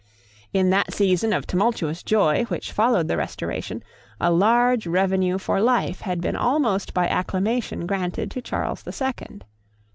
In that season of tumultuous joy which followed the Restoration, a large revenue for life had been almost by acclamation granted to Charles the Second.